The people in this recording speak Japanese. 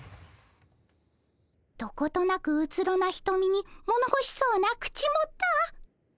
どことなくうつろなひとみにものほしそうな口元。